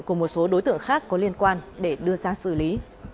cùng một số đối tượng khác có liên quan để đưa ra xử lý